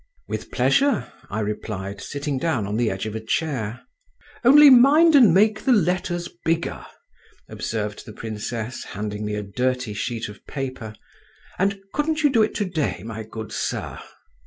"With pleasure," I replied, sitting down on the edge of a chair. "Only mind and make the letters bigger," observed the princess, handing me a dirty sheet of paper; "and couldn't you do it to day, my good sir?"